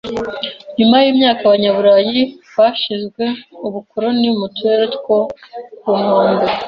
Nyuma yimyaka, Abanyaburayi bashinze ubukoloni mu turere two ku nkombe.